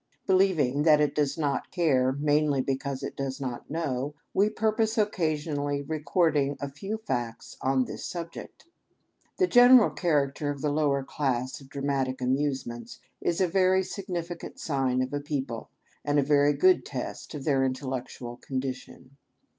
Believing that it does not care mainly because it does not know, we purpose occasionally record ing a few facts on this subject. The general character of the lower class of dramatic amusements is a very significant sign of a people, and a very good test of their intellectual condition.